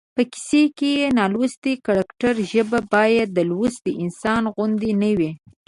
په کیسه کې د نالوستي کرکټر ژبه باید د لوستي انسان غوندې نه وي